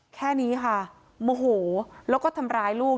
แค่นี้ค่ะโมโหแล้วก็ทำร้ายลูก